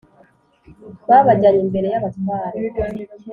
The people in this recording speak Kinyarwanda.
Babajyanye imbere y abatware